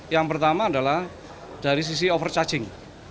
yang pertama adalah dari sisi overcharging